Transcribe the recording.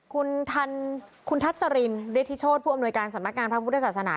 คุณทัศรินฤทธิโชธผู้อำนวยการสำนักงานพระพุทธศาสนา